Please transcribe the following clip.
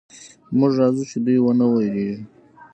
موږ راځو چې دوئ ونه وېرېږي.